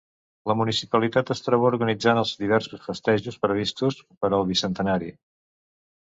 La municipalitat es troba organitzant els diversos festeigs previstos per al bicentenari.